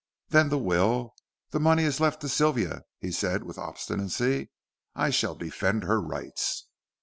"Then the will the money is left to Sylvia," he said with obstinacy. "I shall defend her rights."